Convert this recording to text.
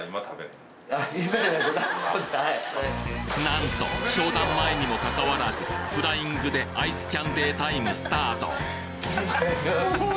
なんと商談前にもかかわらずフライングでアイスキャンデータイムスタート